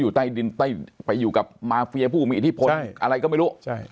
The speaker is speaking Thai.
ใต้ดินใต้ไปอยู่กับมาเฟียผู้มีอิทธิพลอะไรก็ไม่รู้